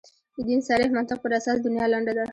د دین صریح منطق پر اساس دنیا لنډه ده.